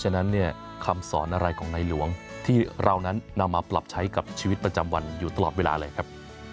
นำมาปรับใช้กับชีวิตประจำวันอยู่ตลอดเวลาเลยครับ